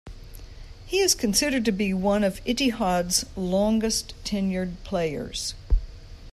He is considered to be one of Ittihad's longest tenured players.